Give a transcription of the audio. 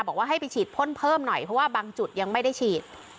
บอกว่าให้ไปฉีดพ่นเพิ่มหน่อยเพราะว่าบางจุดยังไม่ได้ฉีด